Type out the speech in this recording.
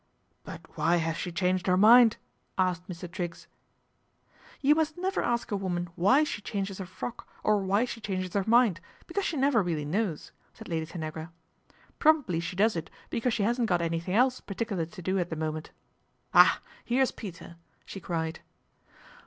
" But why has she changed her mind ?" asked Mr. Triggs. "You must never ask a woman why she MR. TRIGGS TAKES TEA 213 changes her frock, or why she changes her mind, Because she never really knows," said Lady Fanagra. " Probably she does it because she lasn't got anything else particular to do at the noment. Ah ! here's Peter," she cried.